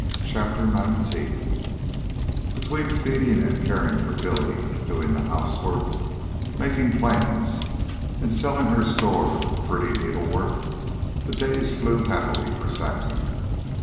CHAPTER XIX Between feeding and caring for Billy, doing the housework, making plans, and selling her store of pretty needlework, the days flew happily for Saxon.